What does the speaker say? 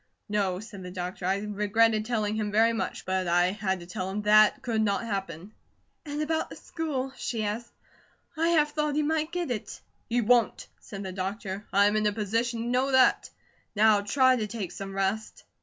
"No," said the doctor. "I regretted telling him very much; but I had to tell him THAT could not happen." "And about the school?" she asked. "I half thought he might get it." "He WON'T!" said the doctor. "I'm in a position to know that. Now try to take some rest."